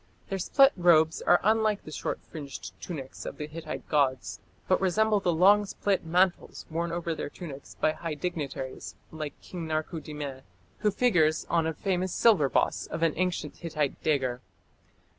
Their split robes are unlike the short fringed tunics of the Hittite gods, but resemble the long split mantles worn over their tunics by high dignitaries like King Tarku dimme, who figures on a famous silver boss of an ancient Hittite dagger.